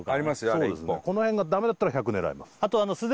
あれ１本この辺がダメだったら１００狙います